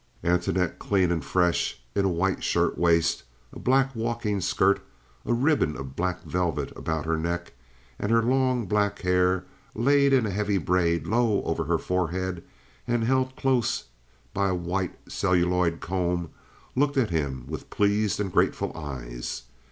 Antoinette, clean and fresh in a white shirtwaist, a black walking skirt, a ribbon of black velvet about her neck, and her long, black hair laid in a heavy braid low over her forehead and held close by a white celluloid comb, looked at him with pleased and grateful eyes.